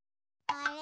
あれ？